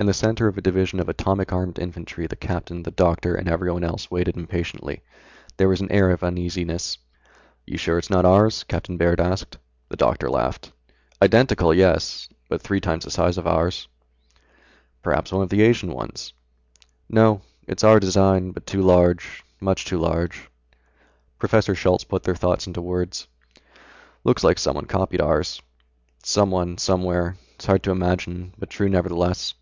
In the center of a division of atomic armed infantry the captain, the doctor, and everyone else, waited impatiently. There was an air of uneasiness. "You're sure it's not ours?" Captain Baird asked. The doctor laughed. "Identical, yes, but three times the size of ours." "Perhaps one of the Asian ones?" "No, it's our design, but too large, much too large." Professor Schultz put their thoughts into words. "Looks like someone copied ours. Someone, somewhere. It's hard to imagine, but true nevertheless."